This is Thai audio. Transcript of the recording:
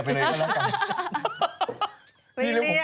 ไปที่ไหน